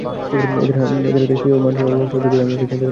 এদের হাতে স্বীয় মানসম্ভ্রম ভ্রষ্ট হওয়ার ভয়ে আমি একাই চাঁদে গেলাম।